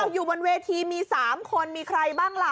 อยู่บนเวทีมี๓คนมีใครบ้างล่ะ